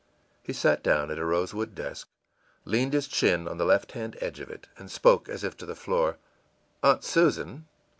î He sat down at a rosewood desk, leaned his chin on the left hand edge of it and spoke, as if to the floor: ìAunt Susan!